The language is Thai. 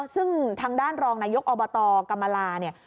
ซึ่งทางด้านรองนายกอบตกรรมลาเนี่ย